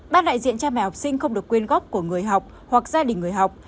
ban đại diện cha mẹ học sinh không được quyên góp của người học hoặc gia đình người học